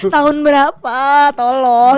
tahun berapa tolong